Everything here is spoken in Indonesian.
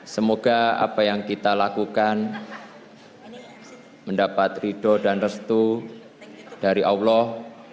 semoga apa yang kita lakukan mendapat ridho dan restu dari allah